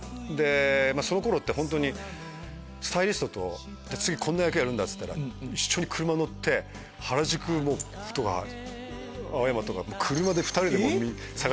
その頃って本当にスタイリストと次こんな役やるんだっつったら一緒に車乗って原宿とか青山とか２人で探しにいって。